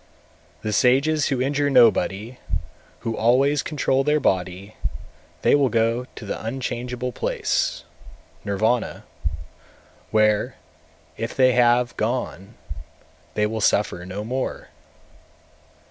225. The sages who injure nobody, and who always control their body, they will go to the unchangeable place (Nirvana), where, if they have gone, they will suffer no more.